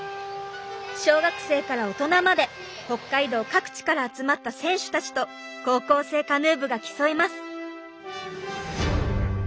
小学生から大人まで北海道各地から集まった選手たちと高校生カヌー部が競います。